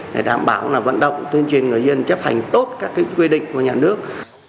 để đảm bảo là vận động tuyên truyền người dân chấp hành tốt các quy định của nhà nước